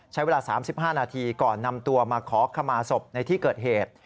ใช้เวลา๓๕นาทีก่อนนำตัวมาขอขมาศพในที่เกิดเหตุ